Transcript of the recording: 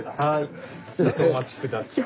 ちょっとお待ち下さい。